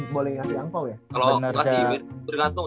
boleh kasih angpao ya